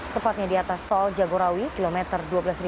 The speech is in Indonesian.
tepatnya di atas tol jagorawi kilometer dua belas lima ratus